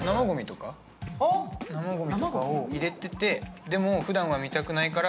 生ごみとかを入れてて、でもふだんは見たくないから。